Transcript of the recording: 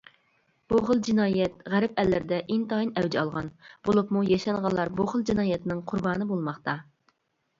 بۇ خىل جىنايەت غەرب ئەللىرىدە ئىنتايىن ئەۋج ئالغان، بولۇپمۇ ياشانغانلار بۇ خىل جىنايەتنىڭ قۇربانى بولماقتا.